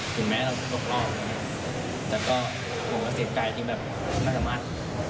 ถึงแม้เราจะตกรอบแต่ก็ผมก็เสียใจที่แบบไม่สามารถ